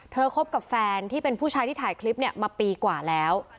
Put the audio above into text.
คบกับแฟนที่เป็นผู้ชายที่ถ่ายคลิปเนี่ยมาปีกว่าแล้ว